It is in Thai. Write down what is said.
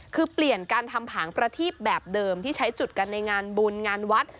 คือเปลี่ยนการทำผางประทีบแบบเดิมที่ใช้จุดกันในงานบุญงานวัด